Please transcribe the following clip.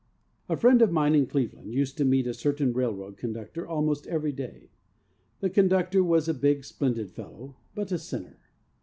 A friend of mine in Cleveland used to meet a certain railroad conductor almost every day. The conductor was a big, splendid fellow, but a sinner.